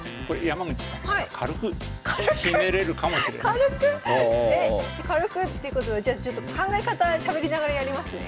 軽く？軽く？軽くっていうことはじゃあちょっと考え方しゃべりながらやりますね。